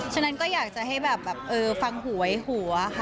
ฉะนั้นก็อยากจะให้แบบฟังหูไว้หัวค่ะ